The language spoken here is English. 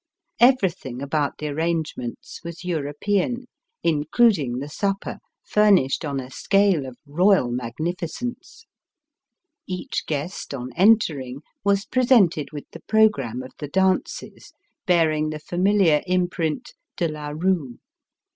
Everything about the arrangements was European, in cluding the supper, furnished on a scale of Eoyal magnificence. Each guest on entering was presented with the programme of the dances, bearing the famiUar imprint, '*De la Eue."